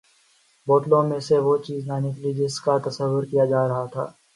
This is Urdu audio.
بوتلوں میں سے وہ چیز نہ نکلی جس کا تصور کیا جا رہا تھا۔